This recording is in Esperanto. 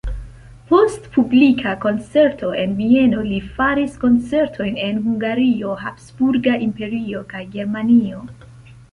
Post publika koncerto en Vieno li faris koncertojn en Hungario, Habsburga Imperio kaj Germanio.